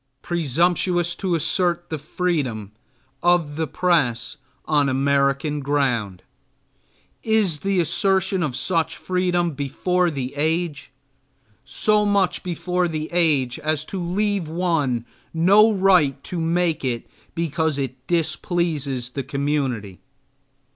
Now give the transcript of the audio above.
Presumptuous to assert the freedom of the press on American ground! Is the assertion of such freedom before the age? So much before the age as to leave one no right to make it because it displeases the community?